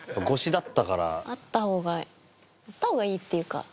あった方があった方がいいっていうか。